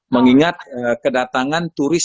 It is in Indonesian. mengingat kedatangan turis